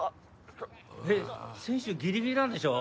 えっ選手ギリギリなんでしょ？